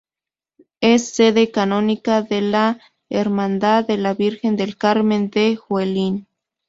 Es sede canónica de la Hermandad de la Virgen del Carmen de Huelin.